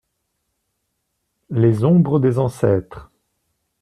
Les Ombres des Ancêtres.